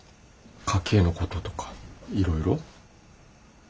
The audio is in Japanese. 家計のこととかいろいろ？